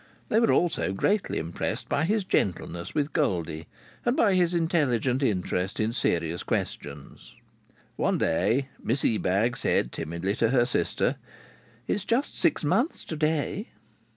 They were also greatly impressed by his gentleness with Goldie and by his intelligent interest in serious questions. One day Miss Ebag said timidly to her sister: "It's just six months to day."